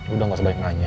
udah gak sebaik nanya